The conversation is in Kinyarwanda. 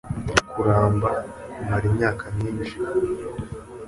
(kuramba, kumara imyaka myinshi)